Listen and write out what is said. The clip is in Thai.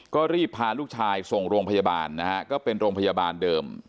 ก็รีบพาลูกชายส่งโรงพยาบาลนะฮะก็เป็นโรงพยาบาลเดิม